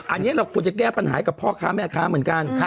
อันนี้เราควรจะแก้ปัญหาให้กับพ่อค้าแม่ค้าเหมือนกัน